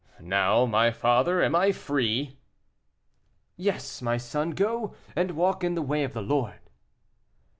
"Now, my father, am I free?" "Yes, my son, go and walk in the way of the Lord."